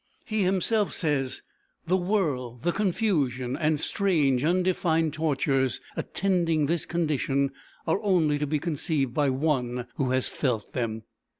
He himself says: "The whirl, the confusion, and strange, undefined tortures attending this condition are only to be conceived by one who has felt them."